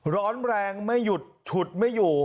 ร้อนแรงไม่หยุดฉุดไม่อยู่